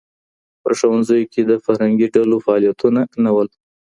په ښوونځیو کي د فرهنګي ډلو فعالیتونه نه وو.